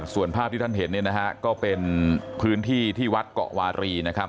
ส่วนภาพที่ท่านเห็นนี้ก็เป็นพื้นที่ที่วัดเกาะวารี